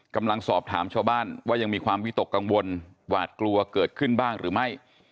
กำลังสอบถามชาวบ้านว่ายังมีความวิตกกังวลหวาดกลัวเกิดขึ้นบ้างหรือไม่